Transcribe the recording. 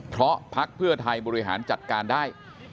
เพราะพักเพื่อไทยบริหารจัดการได้